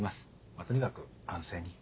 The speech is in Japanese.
まぁとにかく安静に。